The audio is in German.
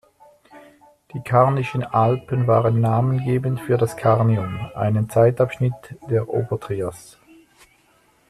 Die Karnischen Alpen waren namengebend für das Karnium, einen Zeitabschnitt der Obertrias.